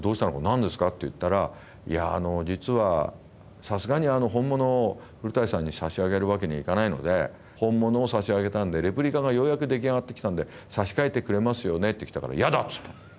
何ですか？」って言ったら「いやあの実はさすがにあの本物を古さんに差し上げるわけにはいかないので本物を差し上げたんでレプリカがようやく出来上がってきたんで差し替えてくれますよね」ってきたから「やだ！」っつったの。